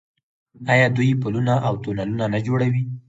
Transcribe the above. آیا دوی پلونه او تونلونه نه جوړوي؟